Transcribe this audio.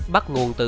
bắt nguồn từ